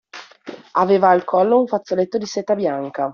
Aveva al collo un fazzoletto di seta bianca.